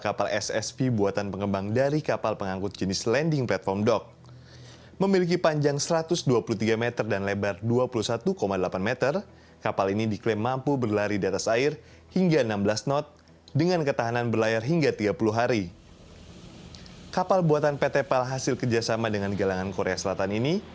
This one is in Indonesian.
kapal buatan pt pal hasil kerjasama dengan galangan korea selatan ini